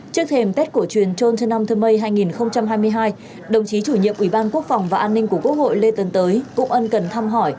trước thềm tết cổ truyền trôn trân nam thơ mây hai nghìn hai mươi hai đồng chí chủ nhiệm ủy ban quốc phòng và an ninh của quốc hội lê tân tới cũng ân cần thăm hỏi